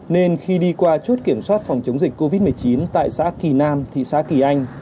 nên khi đi qua chốt kiểm soát phòng chống dịch covid một mươi chín tại xã kỳ nam thị xã kỳ anh